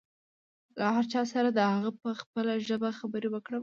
له هر چا سره د هغه په خپله ژبه خبرې وکړئ.